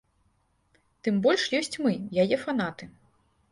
Тым больш ёсць мы, яе фанаты.